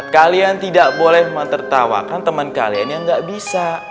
kalian tidak boleh menertawakan teman kalian yang tidak bisa